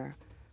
tidak ada ayat